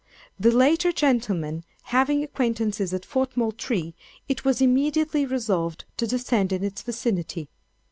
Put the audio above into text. The latter gentleman having acquaintances at Fort Moultrie, it was immediately resolved to descend in its vicinity.